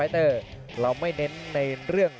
เจนวิทย์ก็สร้าง